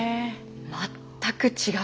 全く違う。